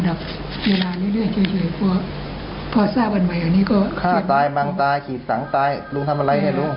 ได้ตรวจดูยังถูกครับ